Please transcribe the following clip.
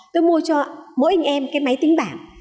tôi mua cho mỗi anh em cái máy tính bảng